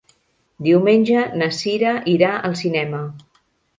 Diumenge na Sira irà al cinema.